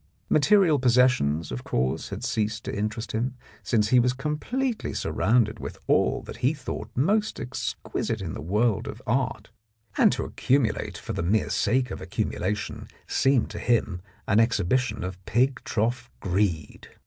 Material possessions, of course, had ceased to interest him, since he was completely surrounded with all that he thought most exquisite in the world of art, and to accumulate for the mere sake of accumula tion seemed to him an exhibition of pig trough greed.